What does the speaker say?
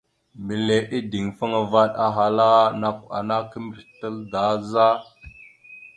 Mbile ideŋfaŋa vaɗ ahala: « Nakw ana kimbirec tal daa za? ».